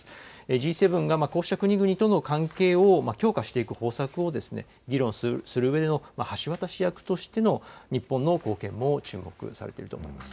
Ｇ７がこうした国々との関係を強化していく方策を議論するうえでの橋渡し役としての、日本の貢献も注目されていると思います。